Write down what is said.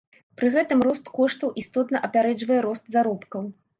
Пры гэтым рост коштаў істотна апярэджвае рост заробкаў.